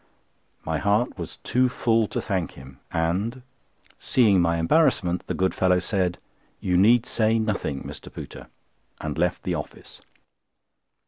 My heart was too full to thank him; and, seeing my embarrassment, the good fellow said: "You need say nothing, Mr. Pooter," and left the office.